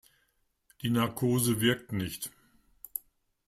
Die Narkose wirkt nicht.